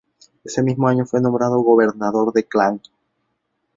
Ese mismo año fue nombrado gobernador de Klang.